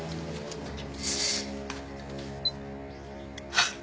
あっ！